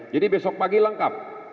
jadi besok pagi lengkap